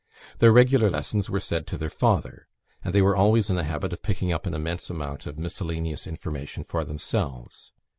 Their regular lessons were said to their father; and they were always in the habit of picking up an immense amount of miscellaneous information for themselves.